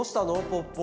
ポッポ。